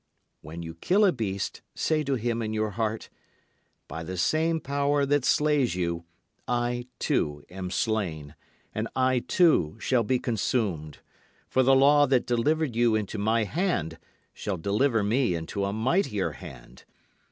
When you kill a beast say to him in your heart, "By the same power that slays you, I too am slain; and I too shall be consumed. For the law that delivered you into my hand shall deliver me into a mightier hand.